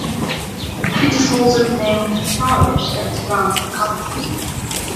It is also the name of the parish that surrounds the capital.